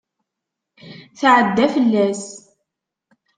Tɛedda fell-as.